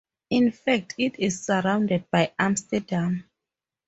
In fact, it is surrounded by Amsterdam.